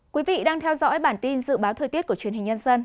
quý vị đang theo dõi bản tin dự báo thời tiết của truyền hình nhân dân